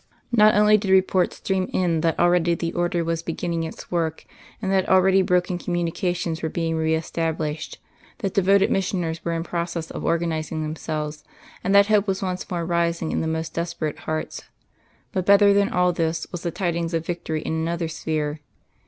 Not only did reports stream in that already the Order was beginning its work and that already broken communications were being re established, that devoted missioners were in process of organising themselves, and that hope was once more rising in the most desperate hearts; but better than all this was the tidings of victory in another sphere.